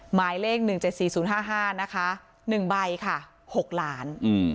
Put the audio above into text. หมายเลข๑๗๔๐๕๕๑ใบ๖ล้าน